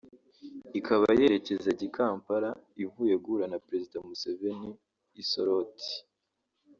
ikaba yerekezaga i Kampala ivuye guhura na perezida Museveni i Soroti